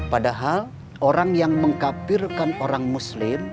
padahal orang yang mengkapirkan orang muslim